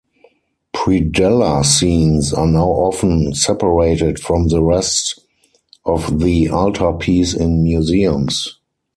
Predella scenes are now often separated from the rest of the altarpiece in museums.